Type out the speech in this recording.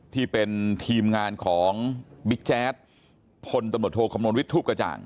ที่เป็นทีมงานของบิ๊กแจ๊ดพลตำรวจโทคำนวณวิทย์ทูปกระจ่าง